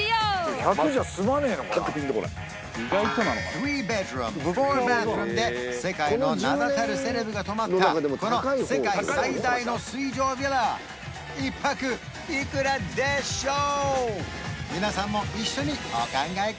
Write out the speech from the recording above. ３ベッドルーム４バスルームで世界の名だたるセレブが泊まったこの世界最大の水上ヴィラ１泊いくらでしょう？